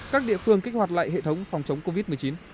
các địa phương kích hoạt lại hệ thống phòng chống covid một mươi chín